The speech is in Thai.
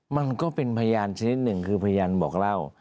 มันก็เป็นพยานชนิดหนึ่งคือพยานบอกเล่า